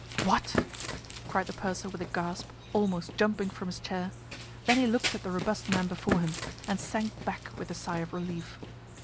"What!" cried the purser, with a gasp, almost jumping from his chair. Then he looked at the robust man before him, and sank back with a sigh of relief.